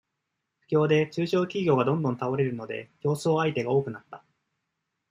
不況で、中小企業がどんどん倒れるので、競争相手が多くなった。